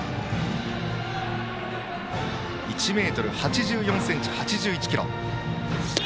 １ｍ８４ｃｍ、８１ｋｇの森岡。